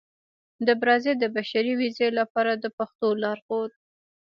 د برازيل د بشري ویزې لپاره د پښتو لارښود